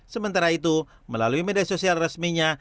sementara itu melalui media sosial resminya